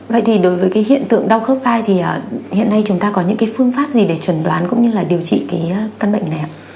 vậy thì đối với cái hiện tượng đau khớp vai thì hiện nay chúng ta có những cái phương pháp gì để chuẩn đoán cũng như là điều trị cái căn bệnh này ạ